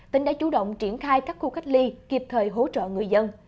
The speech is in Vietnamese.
tỉnh đã chủ động triển khai các khu cách ly kịp thời hỗ trợ người dân